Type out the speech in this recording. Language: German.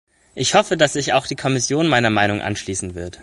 Ich hoffe, dass sich auch die Kommission meiner Meinung anschließen wird.